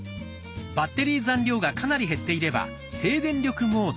バッテリー残量がかなり減っていれば「低電力モード」に。